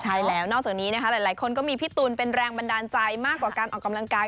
ใช่แล้วนอกจากนี้นะคะหลายคนก็มีพี่ตูนเป็นแรงบันดาลใจมากกว่าการออกกำลังกาย